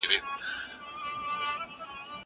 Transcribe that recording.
زه اجازه لرم چي مېوې وچوم!